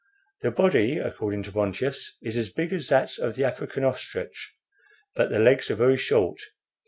The body, according to Bontius, is as big as that of the African ostrich, but the legs are very short.